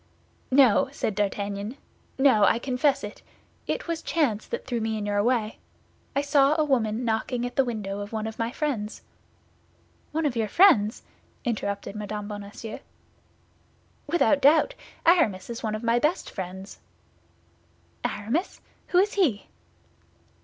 "No," said D'Artagnan; "no, I confess it. It was chance that threw me in your way; I saw a woman knocking at the window of one of my friends." "One of your friends?" interrupted Mme. Bonacieux. "Without doubt; Aramis is one of my best friends." "Aramis! Who is he?"